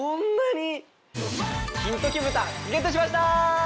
金時豚ゲットしました！